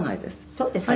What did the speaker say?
「そうですか。